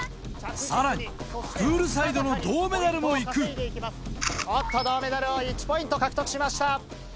さらにプールサイドの銅メダルも行く銅メダル１ポイント獲得しました。